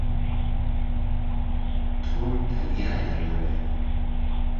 تۆم تەنیایە لەوێ.